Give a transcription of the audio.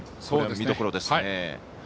見どころですね。